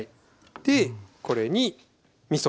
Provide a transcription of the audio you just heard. でこれにみそ。